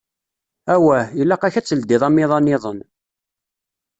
Awah, ilaq-ak ad teldiḍ amiḍan-iḍen.